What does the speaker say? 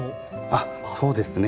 あっそうですね。